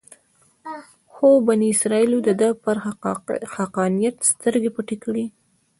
خو بني اسرایلو دده پر حقانیت سترګې پټې کړې.